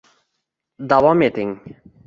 davom eting 👇👇👇